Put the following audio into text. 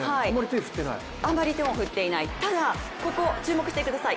あまり手も振っていないただ、ここ注目してください。